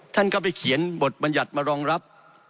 ท่านก็ไปเขียนบทบรรยัติมารองรับ